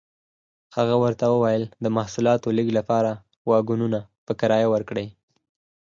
هغه ورته وویل د محصولاتو لېږد لپاره واګونونه په کرایه ورکړي.